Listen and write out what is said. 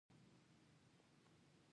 ترسره شوې څېړنې وموندلې،